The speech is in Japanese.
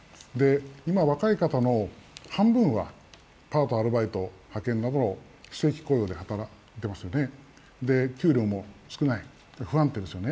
今、若い方の半分はパート、アルバイト、派遣などの非正規雇用で働いていますよね、給料も少ない、不安定ですよね。